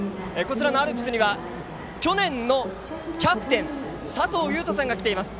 アルプスには去年のキャプテン佐藤悠斗さんが来ています。